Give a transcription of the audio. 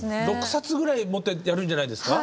６冊ぐらい持ってやるんじゃないですか？